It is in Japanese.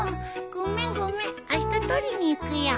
ごめんごめんあした取りに行くよ。